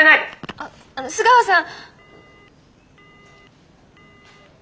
あっあの須川さん。